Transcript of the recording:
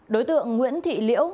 đối tượng nguyễn thị liễu